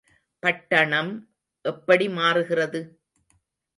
பட்டணம் எப்படி மாறுகிறது?